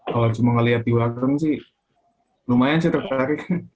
kalau cuma lihat di warung sih lumayan sih tertarik